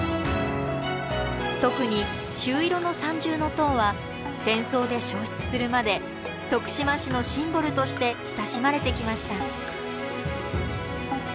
特に朱色の三重塔は戦争で焼失するまで徳島市のシンボルとして親しまれてきました。